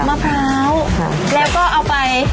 มะพร้าวแล้วก็เอาไป